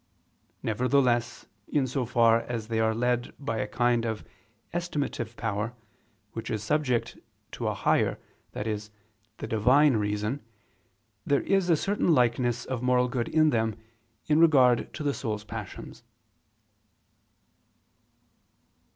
Nevertheless, in so far as they are led by a kind of estimative power, which is subject to a higher, i.e. the Divine reason, there is a certain likeness of moral good in them, in regard to the soul's passions.